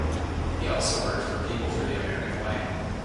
He also worked for People for the American Way.